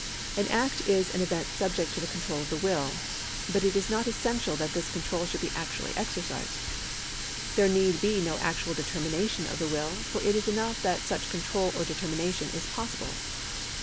An act is an event subject to the control of the will ; but it is not essential that this control should be actually exercised ; there need be no actual determination of the will, for it is enough that such control or determination is pos sible.